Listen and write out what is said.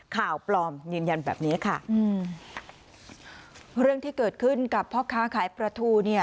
ข่าวปลอมยืนยันแบบนี้ค่ะอืมเรื่องที่เกิดขึ้นกับพ่อค้าขายปลาทูเนี่ย